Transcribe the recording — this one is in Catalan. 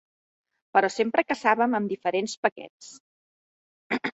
Però sempre caçàvem amb diferents paquets.